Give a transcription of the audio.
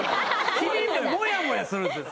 もやもやするんすよ。